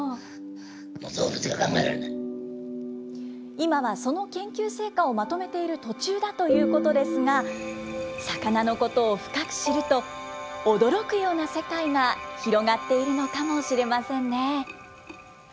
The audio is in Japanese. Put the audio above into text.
今はその研究成果をまとめている途中だということですが、魚のことを深く知ると、驚くような世界が広がっているのかもしれませんね。